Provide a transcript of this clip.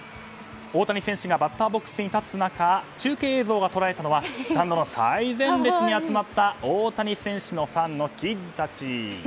大谷選手がバッターボックスに立つ中中継映像が捉えたのはスタンドの最前列に集まった大谷選手のファンのキッズたち。